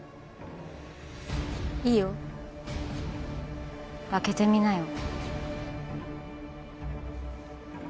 いいよ開けてみなよ